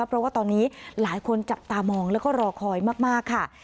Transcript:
เพราะว่าตอนนี้หลายคนจับตามองแล้วก็รอคอยมากค่ะ